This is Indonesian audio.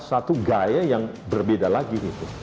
satu gaya yang berbeda lagi gitu